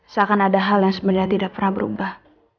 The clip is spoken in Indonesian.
seakan ada hal yang sebenarnya tidak pernah berubah